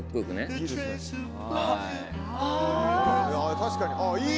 確かにあっいい